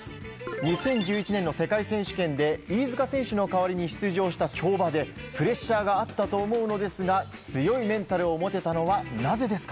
２０１１年の世界選手権で飯塚選手の代わりに出場した跳馬でプレッシャーがあったと思うのですが強いメンタルを持てたのはなぜですか？